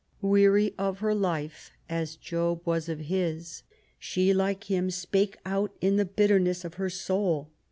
Weary of her life as Job was of his, she,'like him, spake out in the bitterness of her soul.